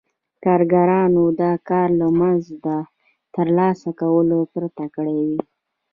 کارګرانو دا کار له مزد ترلاسه کولو پرته کړی وي